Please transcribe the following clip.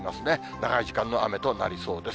長い時間の雨となりそうです。